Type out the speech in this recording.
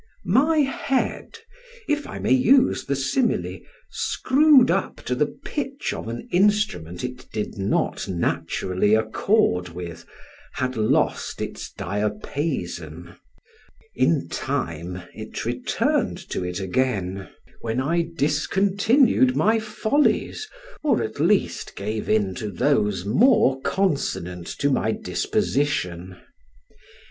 My head, (if I may use the simile) screwed up to the pitch of an instrument it did not naturally accord with, had lost its diapason; in time it returned to it again, when I discontinued my follies, or at least gave in to those more consonant to my disposition.